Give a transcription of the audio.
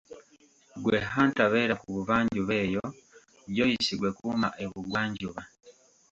Ggwe Hunter beera ku buvanjuba eyo Joyce ggwe kuuma ebugwanjuba.